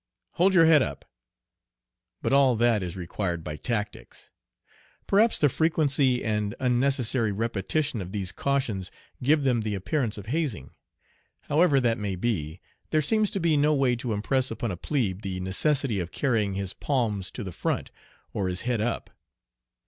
Hold your head up;" but all that is required by tactics. Perhaps the frequency and unnecessary repetition of these cautions give them the appearance of hazing. However that may be, there seems to be no way to impress upon a plebe the necessity of carrying his "palms to the front," or his "head up."